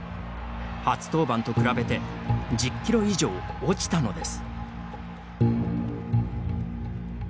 初登板と比べて１０キロ以上落ちたのです。